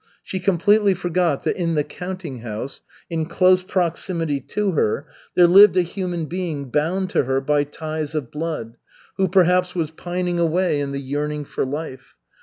She completely forgot that in the counting house, in close proximity to her, there lived a human being bound to her by ties of blood, who perhaps was pining away in the yearning for life.